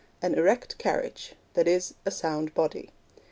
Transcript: An erect carriage that is, a sound body.